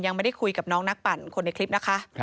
ยังไม่ได้คุยกับน้องนักปั่นคนในคลิปนะคะ